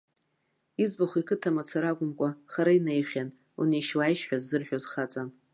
Иӡбахә иқыҭа мацара акәымкәа, хара инаҩхьан, унеишь-уааишь ҳәа ззырҳәоз хаҵан.